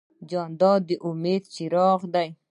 جانداد د امید څراغ دی.